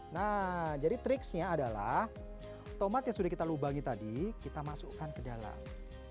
nah jadi triksnya adalah tomat yang sudah kita lubangi tadi kita masukkan ke dalam